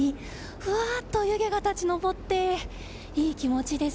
ふわっと湯気が立ち上っていい気持ちです。